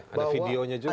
ada videonya juga